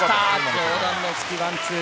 上段の突きワンツー。